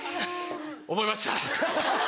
思いました。